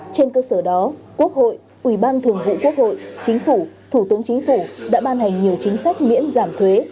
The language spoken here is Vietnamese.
trên cơ sở đó quốc hội ủy ban thường vụ quốc hội chính phủ thủ tướng chính phủ đã ban hành nhiều chính sách miễn giảm thuế